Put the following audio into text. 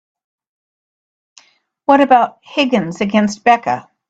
What about Higgins against Becca?